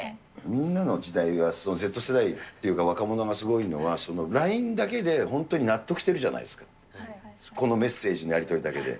みんなの時代は、Ｚ世代っていうか若者がすごいのは、ＬＩＮＥだけで、本当に納得してるじゃないですか、このメッセージのやり取りだけで。